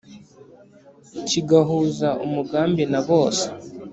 kigahuza umugambi na bose